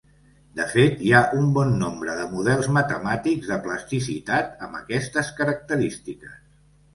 De fet, hi ha un bon nombre de models matemàtics de plasticitat amb aquestes característiques.